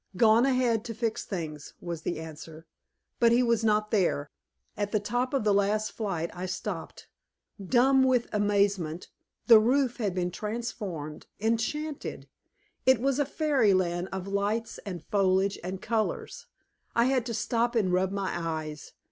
"Gone ahead to fix things," was the answer. But he was not there. At the top of the last flight I stopped, dumb with amazement; the roof had been transformed, enchanted. It was a fairy land of lights and foliage and colors. I had to stop and rub my eyes.